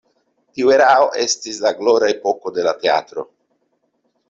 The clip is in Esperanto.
Tiu erao estis la glora epoko de la teatro.